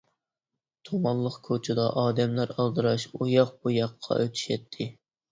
تۇمانلىق كوچىدا ئادەملەر ئالدىراش ئۇياق-بۇياققا ئۆتۈشەتتى.